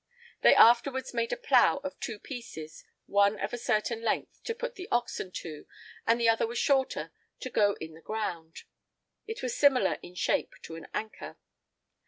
They afterwards made a plough of two pieces, one of a certain length to put the oxen to, and the other was shorter to go in the ground; it was similar, in shape, to an anchor.